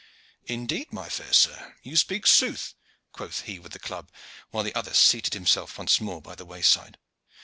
"Indeed, my fair sir, you speak sooth," quoth he with the club, while the other seated himself once more by the wayside.